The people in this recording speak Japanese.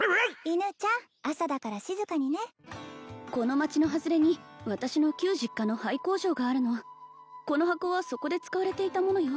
犬ちゃん朝だから静かにねこの町の外れに私の旧実家の廃工場があるのこの箱はそこで使われていたものよ